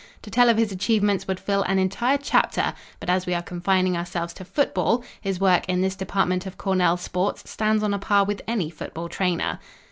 To tell of his achievements would fill an entire chapter, but as we are confining ourselves to football, his work in this department of Cornell sports stands on a par with any football trainer.